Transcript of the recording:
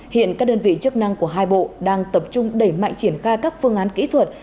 hiện các đơn vị chức năng của hai bộ đang tập trung đẩy mạnh triển khai các phương án kỹ thuật